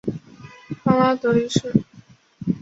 康拉德一世。